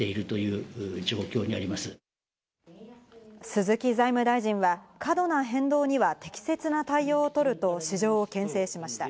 鈴木財務大臣は過度な変動には適切な対応をとると市場を牽制しました。